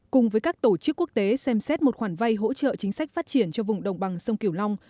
cùng với các tổ chức quốc tế xem xét một khoản vay hỗ trợ chính sách phát triển cho vùng đồng bằng sông kiểu long